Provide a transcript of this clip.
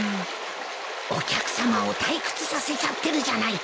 お客さまを退屈させちゃってるじゃないか。